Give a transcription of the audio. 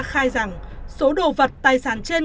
khai rằng số đồ vật tài sản trên